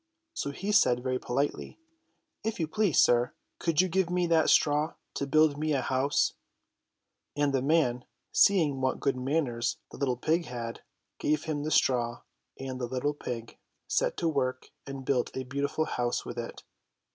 So he said very politely : "If you please, sir, could you give me that straw to build me a house ?" And the man, seeing what good manners the little pig had, gave him the straw, and the little pig set to work and built a beautiful house with it.